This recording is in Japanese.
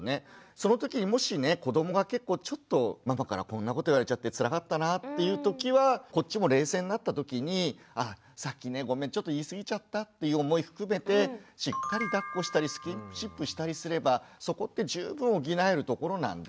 そのときにもしね子どもが結構ちょっとママからこんなこと言われちゃってつらかったなっていうときはこっちも冷静になったときに「さっきねごめんちょっと言い過ぎちゃった」っていう思い含めてしっかりだっこしたりスキンシップしたりすればそこって十分補えるところなんで。